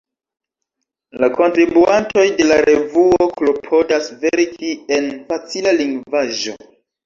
La kontribuantoj de la revuo klopodas verki en facila lingvaĵo.